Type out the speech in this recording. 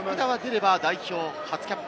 福田は出れば代表初キャップ。